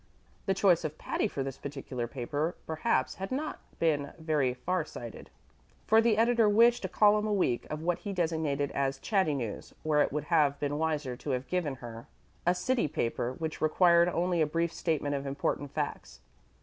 The choice of Patty for this particular paper perhaps had not been very far sighted, for the editor wished a column a week of what he designated as "chatty news," whereas it would have been wiser to have given her a city paper which required only a brief statement of important facts.